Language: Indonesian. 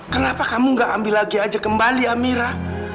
kenapa kamu gak ambil lagi aja kembali amira